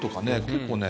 結構ね